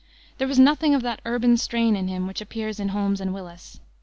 There was nothing of that urban strain in him which appears in Holmes and Willis.